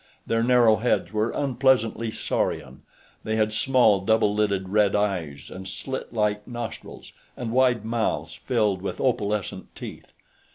Their narrow heads were unpleasantly saurian; they had small, double lidded red eyes, and slit like nostrils, and wide mouths filled with opalescent teeth.